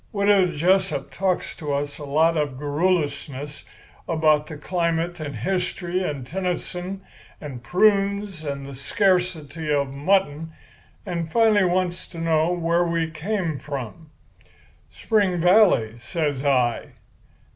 "Widow Jessup talks to us a lot of garrulousness about the climate and history and Tennyson and prunes and the scarcity of mutton, and finally wants to know where we came from. "'Spring Valley,' says I.